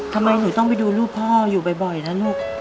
ทำไมหนูต้องไปดูรูปพ่ออยู่บ่อยนะลูก